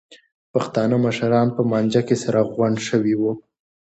پښتانه مشران په مانجه کې سره غونډ شوي وو.